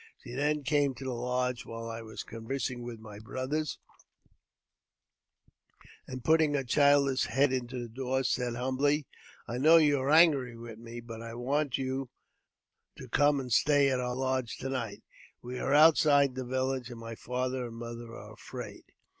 She then came to the lodge while I was conversing with my brothers, and, putting her childish head into the door, sai humbly, " I know you are angry with me, but I want you i come and stay at our lodge to night; we are outside th village, and my father and mother are afraid."